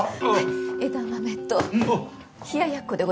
枝豆と冷ややっこでございます。